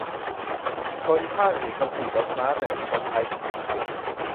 คนชาติอื่นเขาขี่รถม้า แต่คนไทยขี่เกวียน